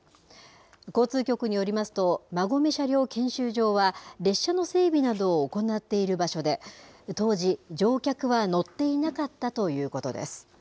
交通局によりますと、馬込車両検修場は、列車の整備などを行っている場所で、当時、乗客は乗っていなかったということです。